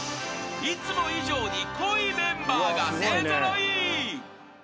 ［いつも以上に濃いメンバーが勢揃い］